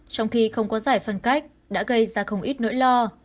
trong khi không có giải phân cách đã gây ra không ít nỗi lo